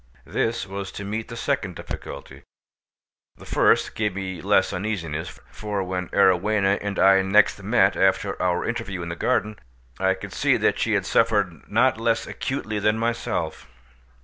This was to meet the second difficulty: the first gave me less uneasiness, for when Arowhena and I next met after our interview in the garden I could see that she had suffered not less acutely than myself.